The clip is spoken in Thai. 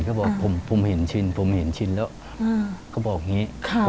เขาบอกผมผมเห็นชินผมเห็นชินแล้วอ่าเขาบอกอย่างงี้ครับ